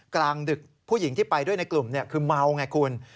กลางดึกผู้หญิงที่ไปด้วยในกลุ่มคือเมาไงคุณ